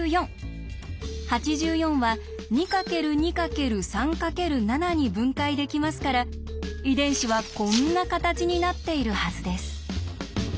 ８４は２×２×３×７に分解できますから遺伝子はこんな形になっているはずです。